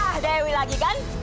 ah dewi lagi kan